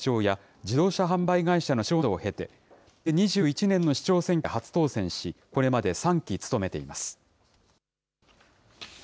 大手スーパーの会長や自動車販売会社の社長などを経て、平成２１年の市長選挙で初当選し、これまで３期務めています。